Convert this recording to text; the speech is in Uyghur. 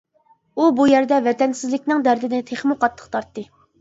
ئۇ بۇ يەردە ۋەتەنسىزلىكنىڭ دەردىنى تېخىمۇ قاتتىق تارتتى.